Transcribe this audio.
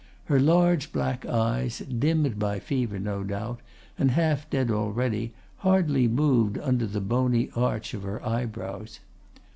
Her large black eyes, dimmed by fever, no doubt, and half dead already, hardly moved under the bony arch of her eyebrows.